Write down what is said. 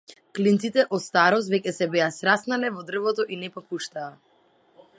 Клинците од старост веќе се беа сраснале во дрвото и не попуштаа.